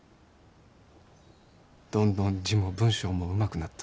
どんどん字も文章もうまくなっとるね。